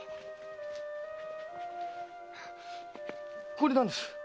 これなんです。